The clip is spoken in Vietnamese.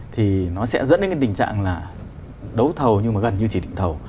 thì nó sẽ dẫn đến cái tình trạng là đấu thầu nhưng mà gần như chỉ định thầu